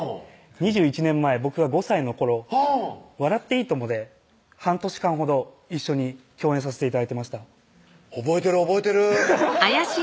２１年前僕が５歳の頃笑っていいとも！で半年間ほど一緒に覚えてる覚えてる